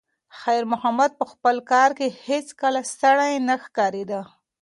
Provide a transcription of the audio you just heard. خیر محمد په خپل کار کې هیڅکله ستړی نه ښکارېده.